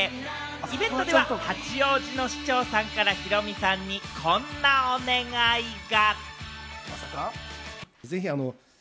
イベントでは八王子の市長さんからヒロミさんにこんなお願いが。